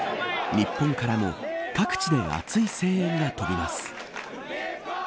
日本からも、各地で熱い声援が飛びます。